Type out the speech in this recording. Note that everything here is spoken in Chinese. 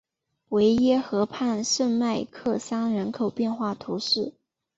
维耶河畔圣迈克桑人口变化图示